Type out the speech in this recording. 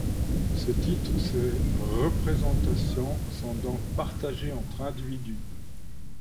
À ce titre, ces représentations sont donc partagées entre individus.